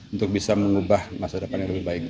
untuk bisa mengubah masa depan yang lebih baik